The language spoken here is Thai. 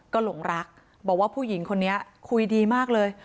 ก็หลงรักบอกว่าผู้หญิงคนนี้คุยดีมากเลย